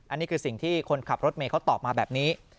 อันนี้คือสิ่งที่คนขับรถเมย์เขาตอบมาแบบนี้